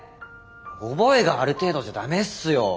覚えがある程度じゃダメっすよ。